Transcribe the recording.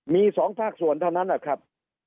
มี๒ภาคส่วนเท่านั้นนะครับ